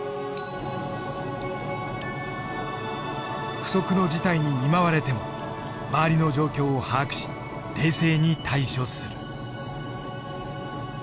不測の事態に見舞われても周りの状況を把握し冷静に対処する。